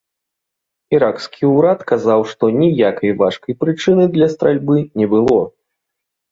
Іракскі ўрад казаў, што ніякай важкай прычыны для стральбы не было.